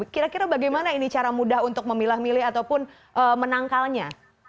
kira kira bagaimana ini cara mudah untuk memilah milih ataupun menangkalnya